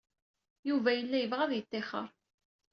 Yuba yella yebɣa ad yettixer.